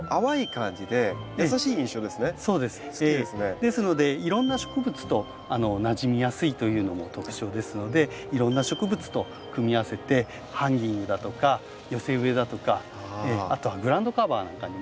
ですのでいろんな植物となじみやすいというのも特徴ですのでいろんな植物と組み合わせてハンギングだとか寄せ植えだとかあとはグラウンドカバーなんかにも。